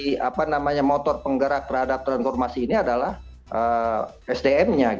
jadi motor penggerak terhadap transformasi ini adalah sdm nya